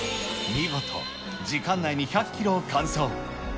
見事、時間内に１００キロを完走。